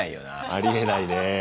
ありえないね。